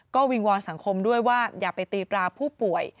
ก็วิงวอนสังคมด้วยว่าอย่าไปตีตราผู้ป่วย